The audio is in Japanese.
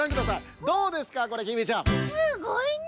すごいね。